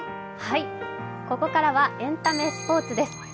ここからはエンタメ・スポーツです。